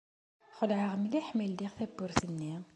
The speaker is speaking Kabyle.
Xelɛeɣ mliḥ mi ldiɣ tawwurt-nni!